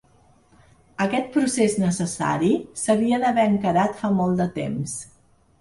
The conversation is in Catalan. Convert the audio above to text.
Aquest procés necessari s’havia d’haver encarat fa molt de temps.